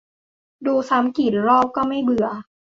ดูซ้ำกี่รอบก็ไม่เบื่อ